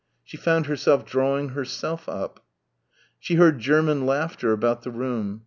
She found herself drawing herself up. She heard German laughter about the room.